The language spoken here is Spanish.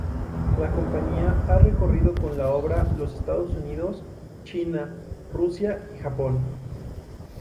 La compañía ha recorrido con la obra los Estados Unidos, China, Rusia y Japón.